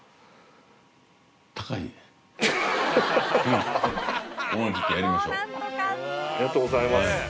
ありがとうございます。